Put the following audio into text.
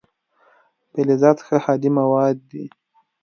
فلزات ښه هادي مواد دي.